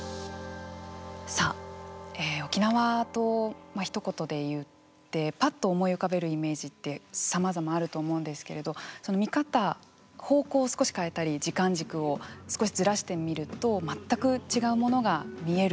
さあ沖縄とまあひと言で言ってパッと思い浮かべるイメージってさまざまあると思うんですけれどその見方方向を少し変えたり時間軸を少しずらしてみると全く違うものが見える。